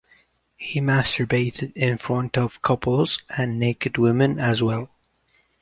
He masturbated in front of couples and naked women as well.